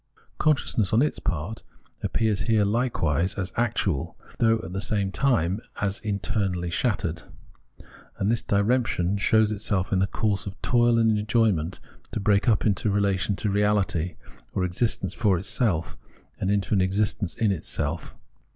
Consciousness, on its part, appears here hkewise as actual, though, at the same time, as internally shattered; and this diremption shows itself in the course of toil and enjoyment, to break up into a relation to reahty, or existence for itself, and into an existence in itself.